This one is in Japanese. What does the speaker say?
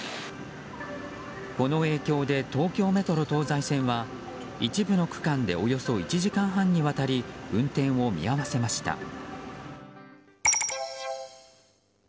この影響で東京メトロ東西線は一部の区間でおよそ１時間半にわたり運転を見合わせました。